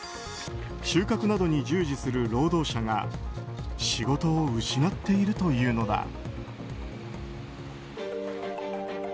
収穫などに従事する労働者が仕事を失っているというのだ。